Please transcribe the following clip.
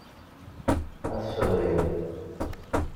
Ad t-sseɣlin.